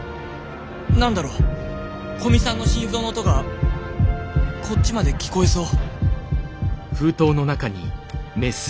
何だろ古見さんの心臓の音がこっちまで聞こえそう。